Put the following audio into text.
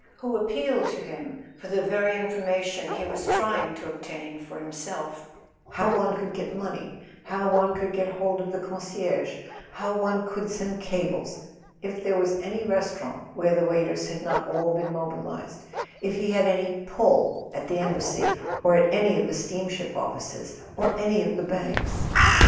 —who appealed to him for the very information he was trying to obtain for himself: how one could get money, how one could get hold of the concierge, how one could send cables, if there was any restaurant where the waiters had not all been mobilised, if he had any "pull" at the Embassy, or at any of the steamship offices, or any of the banks.